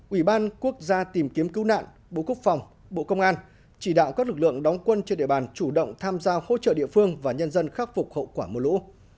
ủy ban quốc gia tìm kiếm cứu nạn bộ quốc phòng bộ công an chỉ đạo các lực lượng đóng quân trên địa bàn chủ động tham gia hỗ trợ địa phương và nhân dân khắc phục hậu quả mưa lũ